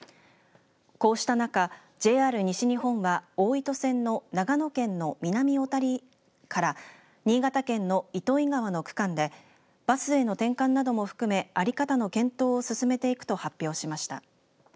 こうした中、ＪＲ西日本は大糸線の長野県の南小谷から新潟県の糸魚川の区間でバスへの転換なども含め在り方の検討を進めていくと発表しました。